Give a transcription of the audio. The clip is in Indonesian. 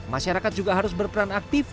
masyarakat juga harus berperan aktif